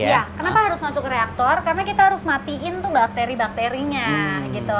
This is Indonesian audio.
iya kenapa harus masuk reaktor karena kita harus matiin tuh bakteri bakterinya gitu